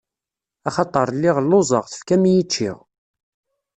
Axaṭer lliɣ lluẓeɣ, tefkam-iyi ččiɣ.